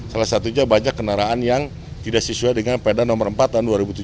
salah satunya banyak kendaraan yang tidak sesuai dengan perda nomor empat tahun dua ribu tujuh belas